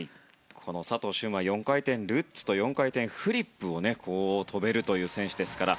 佐藤駿は４回転ルッツと４回転フリップを跳べる選手ですから。